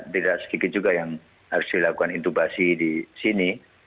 tidak sedikit juga yang harus dilakukan intubasi di sini